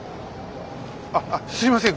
ああすいません